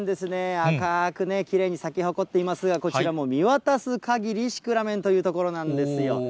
赤くきれいに咲き誇っていますが、こちらも見渡すかぎり、シクラメンという所なんですよ。